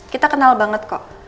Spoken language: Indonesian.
kita kenal banget kok